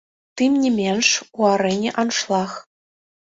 Тым не менш, у арэне аншлаг.